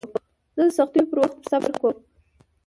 زه د سختیو پر وخت صبر کوم.